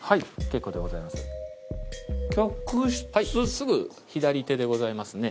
すぐ左手でございますね。